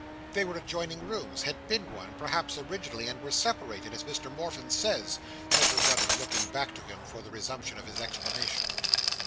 "They were adjoining rooms; had been one, Perhaps, originally; and were separated, as Mr Morfin says," said her brother, looking back to him for the resumption of his explanation.